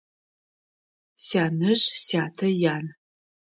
Сянэжъ сятэ ян.